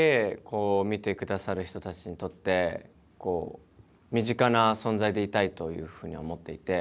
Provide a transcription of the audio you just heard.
こう見てくださる人たちにとって身近な存在でいたいというふうには思っていて。